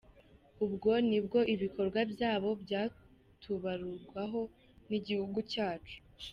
Ubwo nibwo ibikorwa byabo byatubarurwaho n’igihugu cyacu.